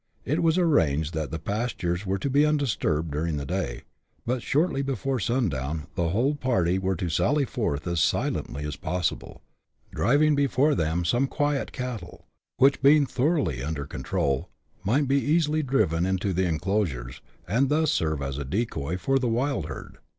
It was arranged that the pastures were to be undisturbed during the day, but shortly before sundown the whole party were to sally forth as silently as possible, driving before them some quiet cattle, which, being thoroughly under control, might be easily driven into the enclosures, and thus sene as a decoy for the wild herd.